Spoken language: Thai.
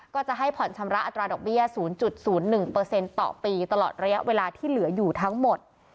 ก็จะให้ผ่อนชำระอัตราดอกเบี้ย๐๐๑ต่อปีตลอดระยะเวลาที่เหลืออยู่ทั้งหมด